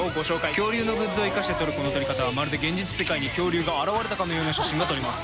恐竜のグッズをいかして撮るこの撮り方はまるで現実世界に恐竜が現れたかのような写真が撮れます。